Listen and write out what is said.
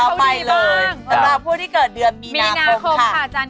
สำหรับผู้ที่เกิดเดือนมีนาคมค่ะ